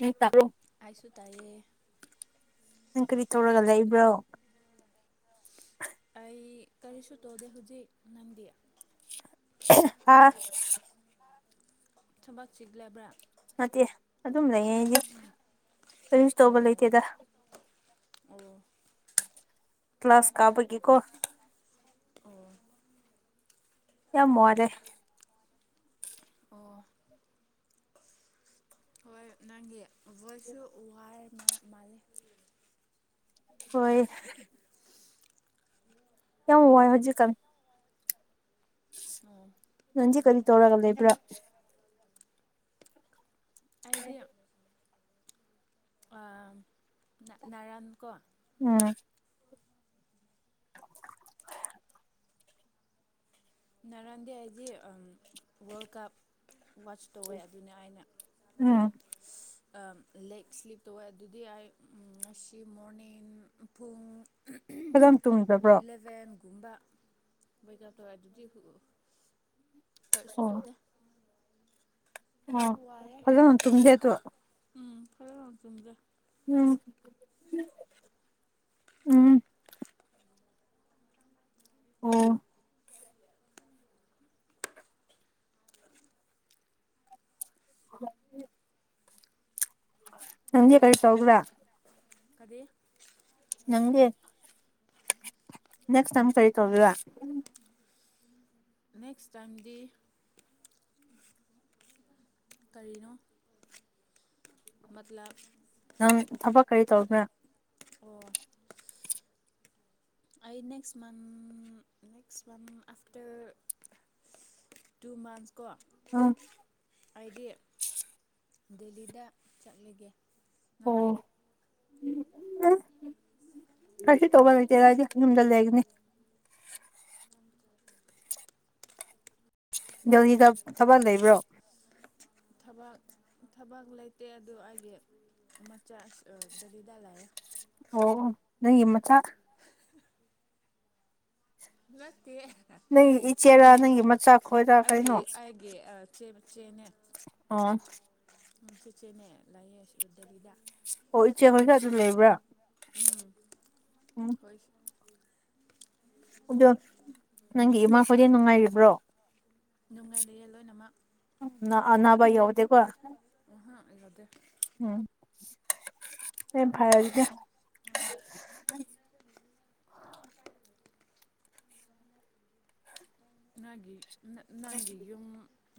ꯅꯪ ꯇꯥꯕ꯭ꯔꯣ ꯑꯩꯁꯨ ꯇꯥꯏꯌꯦ꯫ ꯅꯪ ꯀꯔꯤ ꯇꯧꯔꯒ ꯂꯩꯕ꯭ꯔꯣ꯫ [inaudible] ꯑꯩ ꯀꯔꯤꯁꯨ ꯇꯧꯗꯦ ꯍꯧꯖꯤꯛ ꯅꯪꯗꯤ꯫ ꯍꯥꯥ꯫ [unintelligible] ꯊꯕꯛ ꯆꯤꯟꯂꯕ꯭ꯔꯥ꯫ ꯅꯠꯇꯦ ꯑꯗꯨꯝ ꯂꯩꯌꯦ ꯑꯩꯗꯤ ꯀꯔꯤꯁꯨ ꯇꯧꯕ ꯂꯩꯇꯦꯗ ꯑꯝ ꯀ꯭ꯂꯥꯁ ꯀꯥꯄꯒꯤꯀꯣ ꯑꯝ ꯌꯥꯝ ꯋꯥꯔꯦ ꯑꯣ ꯍꯣꯏ ꯅꯪꯒꯤ ꯑꯥ ꯕꯣꯏꯁꯨ ꯋꯥꯔꯥ ꯃꯥꯂꯦ ꯍꯣꯏ ꯌꯥꯝ ꯋꯥꯢ ꯍꯧꯖꯤꯛꯒꯥꯜ ꯑꯝ ꯅꯪꯗꯤ ꯀꯔꯤ ꯇꯧꯔꯒ ꯂꯩꯕ꯭ꯔꯥ ꯑꯩꯗꯤ ꯑꯥ ꯅꯥꯔꯝ ꯀꯣ ꯎꯝ ꯉꯥꯔꯡꯗꯤ ꯑꯩꯗꯤꯗꯤ ꯋꯥꯔꯜ ꯀꯞ ꯋꯥꯆ ꯇꯧꯋꯦ ꯑꯗꯨꯅꯦ ꯑꯩꯅ [inaudible] ꯑꯥ ꯂꯦꯛ ꯁ꯭ꯂꯤꯞ ꯇꯧꯋꯦ ꯑꯗꯨꯗꯤ ꯑꯩ ꯉꯁꯤ ꯃꯣꯔꯅꯤꯡ ꯄꯨꯡ ꯀꯥꯔꯝ ꯇꯨꯝꯈꯕ꯭ꯔꯥ ꯏꯂꯚꯦꯟꯒꯨꯝꯕ ꯑꯦꯛꯑꯥꯞ ꯇꯧꯔꯦ ꯑꯗꯨꯗꯤ ꯀꯔꯤꯁꯨ ꯑꯣ ꯇꯧꯗꯦ ꯑꯣ ꯋꯥꯔꯦ ꯐꯖꯅ ꯇꯨꯝꯗꯦ ꯑꯗꯣ ꯎꯝ ꯐꯖꯅ ꯌꯥꯝ ꯇꯨꯝꯗꯦ ꯎꯝ ꯎꯝ ꯑꯣ ꯑ [inaudible] ꯅꯪꯗꯤ ꯑꯩ ꯀꯔꯤ ꯇꯧꯕ꯭ꯔꯥ ꯀꯔꯤ ꯅꯪꯗꯤ ꯅꯦꯁ ꯇꯝ ꯀꯔꯤ ꯇꯧꯒꯦꯔꯥ ꯅꯦꯛꯁ ꯇꯥꯏꯝꯗꯤ ꯀꯔꯤꯅꯣ ꯃꯇꯥꯂꯞ ꯅꯪ ꯊꯕꯛ ꯀꯔꯤ ꯇꯧꯕ꯭ꯔꯥ ꯑꯣ ꯑꯩ ꯅꯦꯛꯁ ꯃꯟꯥ ꯅꯦꯛꯁ ꯃꯥꯟ ꯑꯐꯇꯥꯔ ꯇꯨ ꯃꯥꯟꯁ ꯒꯣ ꯎꯝ ꯑꯩꯗꯤ ꯗꯦꯜꯂꯤꯗ ꯆꯠꯂꯒꯦ ꯅꯪꯗꯤ ꯑꯣ ꯎꯝ ꯀꯩꯁꯨ ꯇꯧꯕ ꯂꯩꯇꯦꯗ ꯌꯨꯝꯗ ꯂꯩꯕꯅꯤ- ꯗꯦꯜꯂꯤ ꯗ ꯊꯕꯛ ꯂꯩꯕ꯭ꯔꯣ ꯊꯕꯛ ꯊꯕꯛ ꯂꯩꯇꯦ ꯑꯗꯨ ꯑꯩꯒꯤ ꯃꯆꯥ ꯗꯦꯜꯂꯤ ꯗ ꯂꯩꯏꯌꯦ ꯑꯣ ꯅꯪꯒꯤ ꯃꯆꯥ ꯅꯠꯇꯦ ꯅꯪꯒꯤ ꯏꯆꯦꯔꯥ ꯑꯩꯒꯤ ꯅꯪꯒꯤ ꯃꯆꯥ ꯈꯣꯏꯔꯥ ꯑꯩꯒꯤ ꯀꯩꯅꯣ ꯑꯩ ꯒꯤ ꯃꯆꯦ ꯃꯆꯦ ꯅꯦ꯫ ꯑꯣ ꯆꯦꯆꯦ ꯅꯦ ꯂꯩꯌꯦ ꯁꯤ ꯗꯦꯂꯤꯗ ꯑꯣ ꯏꯆꯦ ꯈꯣꯏꯗ ꯑꯗꯨꯝ ꯂꯩꯕ꯭ꯔꯥ ꯎꯝ ꯎꯝ ꯍꯣꯏ ꯑꯗꯣ ꯅꯪꯒꯤ ꯏꯃꯥꯈꯣꯏꯗꯤ ꯅꯨꯡꯉꯥꯏꯔꯤꯕ꯭ꯔꯣ ꯅꯨꯡꯉꯥꯏ ꯂꯩꯌꯦ ꯂꯣꯏꯅꯃꯛ ꯑꯅꯥꯕꯥ ꯌꯥꯎꯗꯦꯀꯣ ꯑꯍꯥ ꯌꯥꯎꯗꯦ ꯎꯝ ꯌꯥꯝ ꯐꯩ ꯑꯗꯨꯗꯤ ꯍꯣꯏ ꯅꯪꯒꯤ ꯅꯪꯒꯤ ꯌꯨꯝ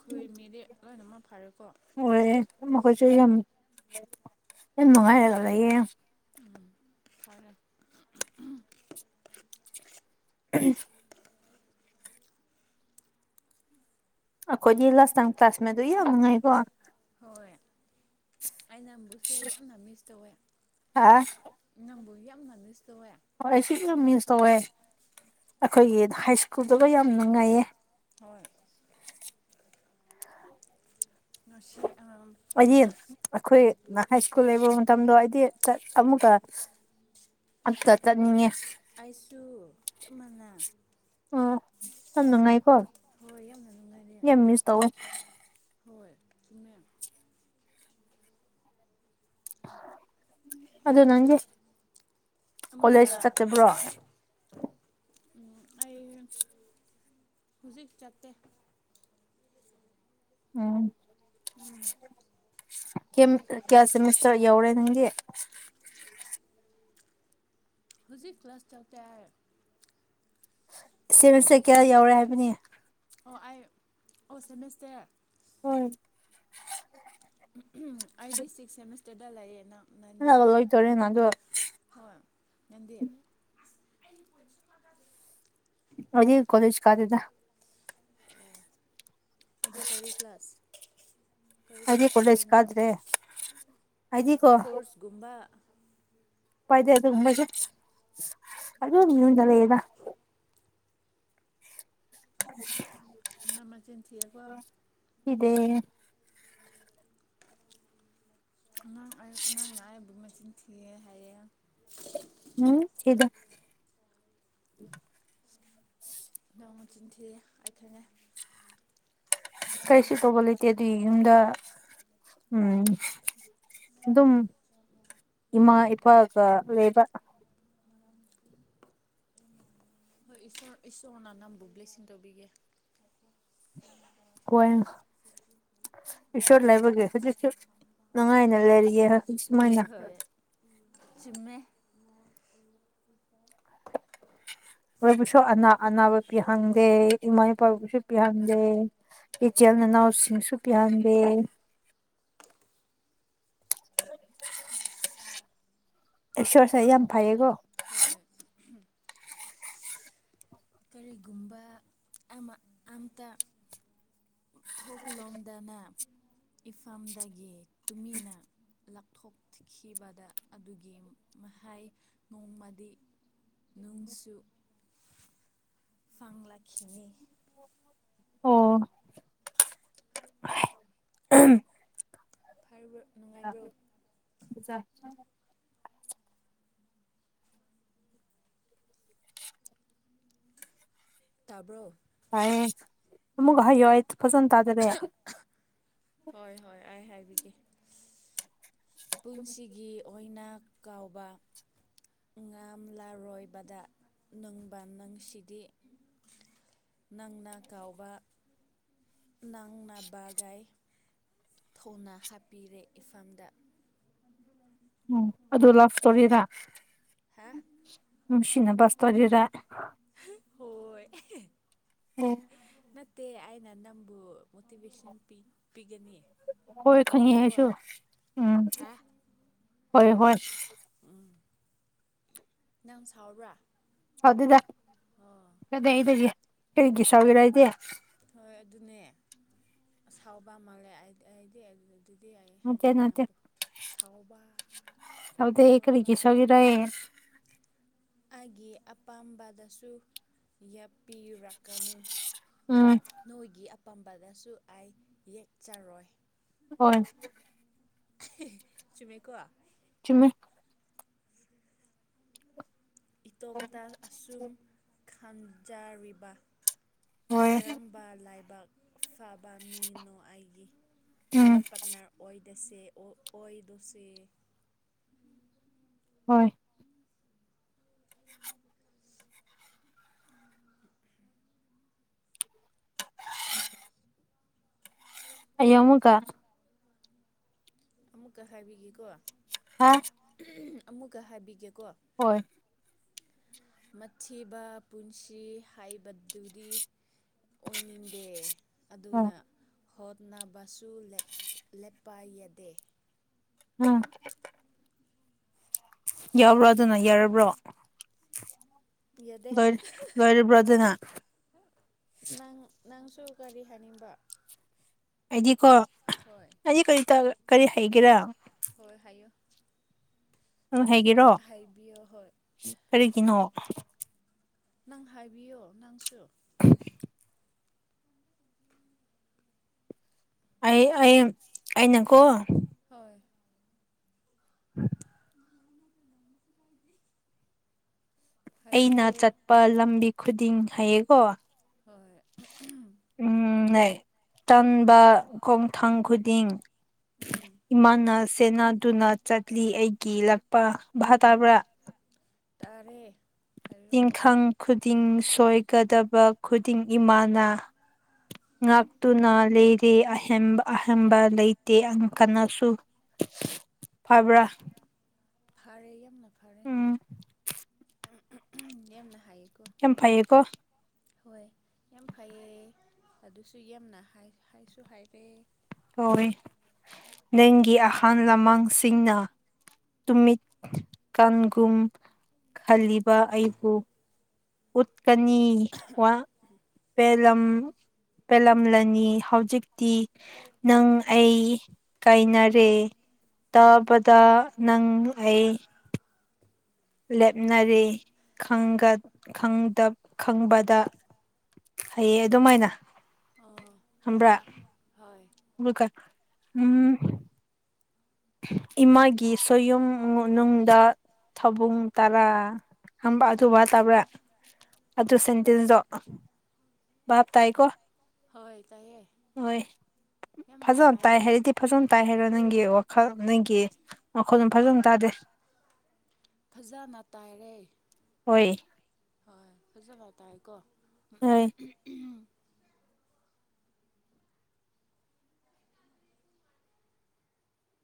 ꯈꯣꯏ ꯃꯤꯗꯤ ꯂꯣꯏꯅꯃꯛ ꯐꯥꯔꯦꯀꯣ ꯑꯣꯏꯌꯦ ꯃꯈꯣꯏꯁꯨ ꯌꯥꯝ ꯌꯥꯝ ꯅꯨꯡꯉꯥꯏꯔꯒ ꯂꯩꯌꯦ ꯎꯝ ꯐꯔꯦ ꯀꯔꯤꯒꯤ ꯑꯩꯈꯣꯏꯒꯤ ꯂꯥꯁꯇꯥꯝ ꯀ꯭ꯂꯥꯁꯃꯦꯠꯇꯨ ꯌꯥꯝ ꯅꯨꯡꯉꯥꯏꯀꯣ ꯍꯣꯏ ꯑꯩꯅ ꯅꯪꯕꯨꯁꯨ ꯌꯥꯝꯅ ꯃꯤꯁ ꯇꯧꯋꯦ ꯍꯥ ꯅꯪꯕꯨ ꯌꯥꯝꯅ ꯃꯤꯁ ꯇꯧꯋꯦ ꯑꯣ ꯑꯩꯁꯨ ꯌꯥꯝ ꯃꯤꯁ ꯇꯧꯋꯦ ꯑꯩꯈꯣꯏꯒꯤ ꯍꯥꯏ ꯁ꯭ꯀꯨꯜꯗꯒ ꯌꯥꯝ ꯅꯨꯡꯉꯥꯏꯌꯦ꯫ ꯍꯣꯏ ꯉꯁꯤ [unintelligible] ꯑꯩꯗꯤ ꯑꯈꯣꯏ ꯅ ꯁ꯭ꯀꯨꯜ ꯂꯩꯕ ꯃꯇꯝꯗꯣ ꯑꯩꯗꯤ ꯆꯠ ꯑꯃꯨꯛꯀ ꯑꯝꯇ ꯆꯠꯅꯤꯡꯉꯦ ꯑꯩꯁꯨ ꯆꯞ ꯃꯥꯟꯅ ꯍꯣꯏ ꯅꯨꯉꯥꯏꯀꯣ ꯍꯣꯏ ꯌꯥꯝꯅ ꯅꯨꯡꯉꯥꯏꯔꯦ ꯇꯧ ꯑꯦ ꯍꯣꯏ ꯆꯨꯝꯃꯦ ꯑꯗꯨ ꯅꯪꯗꯤ ꯑꯃꯨꯀ ꯀꯣꯂꯦꯖ ꯆꯠꯇꯕ꯭ꯔꯣ ꯎꯝ ꯑꯩ ꯍꯧꯖꯤꯛ ꯆꯠꯇꯦ ꯎꯝ ꯀꯌꯥ ꯁꯦꯃꯤꯁꯇꯔ ꯌꯧꯔꯦ ꯅꯪꯒꯤ꯫ ꯍꯧꯖꯤꯛ ꯀ꯭ꯂꯥꯁ ꯇꯧꯇꯥꯔꯦ ꯁꯦꯃꯤꯁꯇꯔ ꯀꯌꯥ ꯌꯥꯎꯔꯦ ꯍꯥꯏꯕꯅꯤꯌꯦ꯫ ꯑꯣ ꯑꯩ ꯑꯣ ꯁꯦꯃꯦꯁꯇꯔ ꯎꯝ ꯎ ꯑꯩꯗꯤ ꯁꯤꯛꯁ ꯁꯦꯃꯤꯁꯇꯔꯗ ꯂꯩꯌꯦꯅ꯫ ꯍꯣꯏ [unintelligible] ꯅꯪ ꯑꯗꯨ ꯍꯣꯏ ꯅꯪꯗꯤ꯫ [unintelligible] [unintelligible] ꯑꯩꯗꯤ ꯀꯣꯂꯦꯁ ꯀꯥꯗꯦꯗ ꯑꯗꯨ ꯀꯔꯤ ꯀ꯭ꯂꯥꯁ ꯀꯔꯤ ꯑꯩꯗꯤ ꯀ꯭ꯂꯥꯁ ꯇ ꯀꯣꯂꯦꯖ ꯍꯥꯏꯅ ꯀꯥꯗ꯭ꯔꯦ ꯑꯩꯗꯤꯀꯣ ꯀꯣꯔꯁꯀꯨꯝꯕ ꯀꯗꯦ [unintelligible] ꯑꯗꯨ ꯑꯗꯨꯗꯤ ꯃꯤꯉꯣꯟꯗ ꯂꯩꯌꯦꯗ [unintelligible] ꯃ ꯃꯆꯤꯟꯊꯤꯌꯦꯀꯣ ꯏꯗꯦ ꯅꯪ ꯑꯩ ꯅꯪ ꯑꯩꯕꯨ ꯃꯆꯤꯟ ꯊꯤꯌꯦ ꯍꯥꯏꯌꯦ꯫ ꯎꯝ ꯊꯤꯗꯦ ꯅꯣꯡꯅ ꯆꯤꯟ ꯊꯤ ꯀꯥꯏꯊꯪꯉꯦ ꯀꯩꯁꯨ ꯇꯧꯕ ꯂꯩꯇꯦ ꯗꯤ ꯌꯨꯝꯗ ꯎꯝ ꯑꯗꯨꯝ ꯏꯃꯥ ꯏꯄꯥꯒ ꯂꯩꯕ ꯑ [unintelligible] ꯍꯣꯏ ꯏꯁꯣꯔ ꯏꯁꯣꯔꯅ ꯅꯝꯕꯨ ꯕꯂꯤꯁꯤꯡ ꯇꯧꯕꯤꯒꯦ ꯍꯣꯏ ꯏꯁꯣꯔ ꯂꯩꯕꯒꯤ ꯍꯧꯖꯤꯛꯁꯨ ꯅꯨꯡꯉꯥꯏꯅ ꯂꯩꯔꯤꯌꯦ ꯍꯧꯖꯤꯛ ꯁꯨꯃꯥꯏꯅ ꯍꯣꯏ ꯆꯤꯃꯦ ꯃꯣꯏꯕꯨꯁꯨ ꯑꯅꯥ ꯑꯅꯥꯕ ꯄꯤꯍꯪꯗꯦ ꯏꯃꯥ ꯏꯄꯥꯕꯨꯁꯨ ꯄꯤꯍꯟꯗꯦ ꯏꯆꯦꯜ ꯅꯅꯥꯎꯁꯤꯡꯁꯨ ꯄꯤꯍꯟꯗ ꯑꯦ ꯁꯣꯔꯁ ꯌꯥꯝ ꯐꯩꯌꯦꯀꯣ ꯍꯣꯏ ꯀꯔꯤꯒꯨꯝꯕ ꯑꯃ ꯑꯝꯇ꯫ ꯊꯣꯛꯂꯣꯝꯗꯅ ꯏꯐꯝꯗꯒꯤ ꯇꯨꯃꯤꯟꯅ꯫ ꯂꯥꯞꯊꯣꯛꯈꯤꯕꯗ ꯑꯗꯨꯒꯤ ꯃꯍꯩ ꯅꯣꯡꯃꯗꯤ꯫ ꯅꯨꯡꯁꯨ꯫ ꯐꯪ ꯂꯥꯛꯈꯤꯅꯤ꯫ ꯑꯣ꯫ ꯐꯔꯕ꯭ꯔꯣ ꯅꯨꯡꯉꯥꯏꯕ꯭ꯔꯣ꯫ ꯆꯥ [unintelligible] ꯇꯥꯕ꯭ꯔꯣ꯫ ꯇꯥꯏꯌꯦ ꯑꯃꯨꯛꯀꯥ ꯍꯥꯏꯌꯣ ꯑꯩ ꯐꯖꯟ ꯇꯥꯗꯔꯦ꯫ ꯍꯣꯏ ꯍꯣꯏ ꯑꯩ ꯍꯥꯏꯕꯤꯒꯦ꯫ ꯄꯨꯟꯁꯤꯒꯤ ꯑꯣꯏꯅ ꯀꯥꯎꯕ꯫ ꯉꯥꯝꯂꯔꯣꯏꯕꯗ ꯅꯪꯕ ꯅꯪꯁꯤꯗꯤ꯫ ꯅꯪꯅ ꯀꯥꯎꯕ꯫ ꯅꯪ ꯅꯥꯕꯒꯥꯏ ꯊꯧꯅ ꯍꯥꯞꯄꯤꯔꯦ ꯏꯐꯝꯐꯝꯗ꯫ ꯎꯝ ꯑꯗꯨ ꯂꯕ ꯁꯇꯣꯔꯤꯔ꯫ ꯍꯥꯥ꯫ ꯅꯨꯡꯁꯤꯅꯕꯁ [unintelligible] ꯍꯣꯏ꯫ ꯑꯣ꯫ ꯅꯠꯇꯦ ꯑꯩꯅ ꯅꯪꯕꯨ ꯃꯣꯇꯤꯚꯦꯁꯟ ꯄꯤ ꯄꯤꯒꯅꯤ꯫ ꯍꯣꯏ ꯈꯪꯉꯤ ꯄꯤꯌꯦꯀꯣ ꯑꯩꯏꯁꯨ ꯎꯝ ꯍꯣꯏ ꯍꯣꯏ꯫ ꯎꯝ꯫ ꯅꯪ ꯁꯥꯎꯔꯕ꯭ꯔꯥ꯫ ꯁꯥꯎꯗꯦꯗ ꯀꯗꯥꯏꯗꯒꯤ ꯀꯔꯒꯤ ꯁꯥꯎꯒꯤꯔ ꯑꯩꯗꯤ ꯍꯣꯏ ꯑꯗꯨꯅꯦ ꯑꯁꯥꯎꯕ ꯃꯥꯜꯂꯦ ꯑꯩꯗꯤ ꯑꯗꯨꯗꯤ ꯑꯗꯨꯗꯤ ꯌꯥꯏꯌꯦ ꯅꯠꯇꯦ ꯍꯥꯏꯉꯦ ꯅꯠꯇꯦ ꯅꯪꯕꯨ ꯁꯥꯎꯕ ꯁꯥꯎꯔꯤꯕ ꯍꯦ ꯑꯩꯒꯤ ꯑꯄꯥꯝꯕꯗꯁꯨ ꯌꯥꯞꯄꯤꯔꯛꯀꯅꯨ꯫ ꯎꯝ ꯅꯣꯏꯒꯤ ꯑꯄꯥꯝꯕꯗꯁꯨ ꯑꯩ ꯌꯦꯛꯆꯔꯣꯏ꯫ ꯍꯣꯏ꯫ ꯆꯨꯃꯦꯀꯣ꯫ ꯆꯨꯝꯃꯦ꯫ ꯏꯇꯣꯝꯇ ꯑꯁꯨꯝ ꯈꯟꯖꯔꯤꯕ ꯍꯣꯏ ꯀꯔꯝ ꯕ ꯂꯥꯏꯕꯛ ꯐꯕ ꯃꯤꯅꯣ ꯑꯩꯒꯤ ꯎꯝ ꯂꯥꯏꯐ ꯄꯥꯔꯠꯅꯔ ꯑꯣꯏ ꯇꯁꯦ ꯑꯣꯏꯗꯧꯁꯦ ꯍꯣꯏ꯫ ꯍꯥꯌꯦꯡ ꯃꯨꯛꯀ ꯑꯃꯨꯛꯀ ꯍꯥꯏꯕꯤꯒꯦꯀꯣ꯫ ꯍꯥ ꯑꯃꯨꯛꯀ ꯍꯥꯏꯕꯤꯒꯦꯀꯣ꯫ ꯍꯣꯏ꯫ ꯃꯊꯤꯕ ꯄꯨꯟꯁꯤ ꯍꯥꯏꯕꯗꯨꯗꯤ꯫ ꯑꯣꯏꯅꯤꯡꯗꯦ꯫ ꯎꯝ ꯑꯗꯨꯅ ꯍꯣꯠꯅꯕꯁꯨ ꯂꯦꯞ ꯂꯦꯞꯄ ꯌꯥꯗꯦ꯫ ꯎꯝ꯫ ꯌꯥꯎꯔꯗꯅ ꯌꯥꯔꯕ꯭ꯔꯣ꯫ ꯌꯥꯗꯦ ꯂꯣꯏꯔ ꯂꯣꯏꯔꯕ꯭ꯔ ꯑꯗꯨꯅꯥ꯫ ꯅꯪ ꯅꯪꯁꯨ ꯀꯔꯤ ꯍꯥꯅꯤꯡꯕ꯫ ꯑꯩꯗꯤꯀꯣ ꯍꯣꯏ ꯑꯩꯗꯤ ꯀꯔꯤ ꯀꯔꯤ ꯍꯩꯒꯦꯔꯥ ꯍꯣꯏ ꯍꯥꯏꯌꯨ꯫ ꯍꯣꯏꯒꯦꯔꯣ ꯍꯥꯏꯕꯤꯌꯣ ꯍꯣꯏ ꯀꯔꯤꯒꯤꯅꯣ꯫ ꯅꯪ ꯍꯥꯏꯕꯤꯌꯣ ꯅꯪꯁꯨ꯫ ꯑꯩ ꯑꯩ ꯑꯩꯅꯀꯣ꯫ ꯍꯣꯏ꯫ [unintelligible] [unintelligible] ꯑꯩꯅ ꯍꯥꯏꯕꯤꯌꯣ ꯆꯠꯄ ꯂꯝꯕꯤ ꯈꯨꯗꯤꯡ ꯍꯥꯏꯌꯦꯀꯣ꯫ ꯍꯣꯏ꯫ ꯎꯝ ꯇꯝꯕ ꯈꯣꯡꯊꯥꯡ ꯈꯨꯗꯤꯡ꯫ ꯎꯝ ꯏꯃꯥꯅ ꯁꯦꯟꯅꯗꯨꯅ ꯆꯠꯂꯤ ꯑꯩꯒꯤ ꯂꯥꯛꯄ ꯚꯥ ꯇꯥꯕ꯭ꯔꯥ ꯇꯥꯔꯦ꯫ ꯍꯥꯏꯔꯣ ꯇꯤꯟꯈꯪ ꯈꯨꯗꯤꯡ ꯁꯣꯏꯒꯗꯕ ꯈꯨꯗꯤꯡ ꯏꯃꯥꯅ꯫ ꯉꯥꯛꯇꯨꯅ ꯂꯩꯔꯦ ꯑꯍꯦꯟꯕ꯫ ꯑꯍꯟꯕ ꯂꯩꯇꯦ ꯀꯥꯅꯁꯨ ꯐꯕ꯭ꯔꯥ꯫ ꯐꯔꯦ ꯌꯥꯝꯅ ꯐꯔꯦ ꯎꯝ ꯌꯥꯝꯅ ꯍꯥꯏ ꯌꯥꯝ ꯀꯍꯅ ꯐꯩꯌꯦꯀꯣ ꯍꯣꯏ ꯌꯥꯝ ꯐꯩꯌꯦ ꯑꯗꯨꯁꯨ ꯌꯥꯝꯅ ꯍꯥꯏ ꯍꯥꯏꯁꯨ ꯍꯥꯏꯔꯦ꯫ ꯍꯣꯏ ꯅꯪꯒꯤ ꯑꯍꯜ ꯂꯃꯥꯡꯁꯤꯡꯅ꯫ ꯇꯨꯃꯤꯠ ꯀꯟꯒꯨꯝ ꯈꯥꯜꯂꯤꯕ ꯑꯩꯕꯨ꯫ ꯎꯠꯀꯅꯤ ꯋꯥ ꯄꯦꯂꯝ ꯄꯦꯜꯂꯝꯂꯅꯤ ꯍꯧꯖꯤꯛꯇꯤ꯫ ꯅꯪ ꯑꯩ ꯀꯥꯏꯅꯔꯦ ꯇꯥꯕꯗ꯫ ꯅꯪ ꯑꯩ꯫ ꯂꯦꯞꯅꯔꯦ ꯈꯪꯒ ꯈꯪꯗ ꯈꯪꯕꯗ ꯍꯌꯦꯑ ꯑꯗꯨꯃꯥꯏꯅ꯫ ꯑꯥ꯫ ꯈꯪꯕ꯭ꯔ ꯍꯣꯏ꯫ [unintelligible] ꯎꯝ ꯏꯃꯥꯒꯤ ꯁꯣꯌꯨꯝ ꯅꯨꯡꯗ ꯊꯥꯕꯨꯡ ꯇꯔꯥ꯫ ꯍꯝꯕ ꯑꯗꯨ ꯋꯥ ꯇꯕ꯭ꯔꯥ ꯑꯗꯨ ꯁꯦꯟꯇꯦꯟꯁꯇꯣ ꯚꯥꯞ ꯇꯥꯏꯀꯣ ꯍꯣꯏ ꯇꯥꯏꯌꯦ ꯍꯣꯏ ꯌꯥꯝꯅ ꯐꯖꯅ ꯇꯥꯏ ꯐꯔꯦ ꯍꯥꯏꯔꯗꯤ꯫ ꯐꯖꯅ ꯇꯥꯏ ꯍꯥꯏꯔꯣ ꯅꯪꯒꯤ ꯋꯥꯈꯜ ꯅꯪꯒꯤ ꯃꯈꯣꯜ ꯐꯖꯅ ꯇꯥꯗꯦ꯫ ꯐꯖꯅ ꯇꯥꯏꯔꯦ꯫ ꯍꯣꯏ꯫ ꯍꯣꯏ ꯐꯖꯕ ꯍꯥꯏ ꯇꯥꯏꯦꯀꯣ ꯎ ꯍꯣꯏ ꯎꯝ